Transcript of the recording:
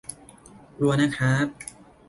กลัวนะคร้าบ